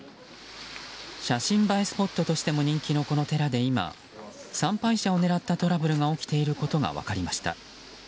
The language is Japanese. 写真映えスポットとしても人気のこの寺で、今参拝者を狙ったトラブルが起きていることが分かりました。